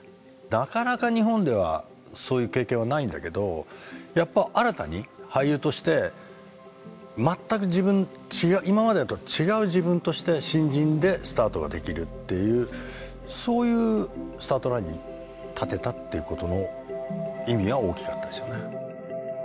なかなか日本ではそういう経験はないんだけどやっぱり新たに俳優として全く自分今までと違う自分として新人でスタートができるっていうそういうスタートラインに立てたっていうことの意味は大きかったですよね。